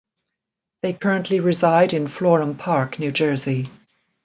They currently reside in Florham Park, New Jersey.